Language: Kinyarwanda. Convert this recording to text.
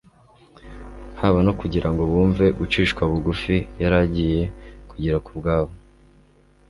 haba no kugira ngo bumve gucishwa bugufi yari agiye kugira ku bwabo.